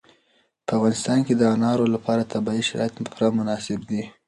په افغانستان کې د انارو لپاره طبیعي شرایط پوره مناسب دي.